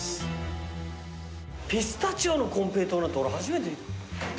ピスタチオのコンペイトーなんて俺初めて。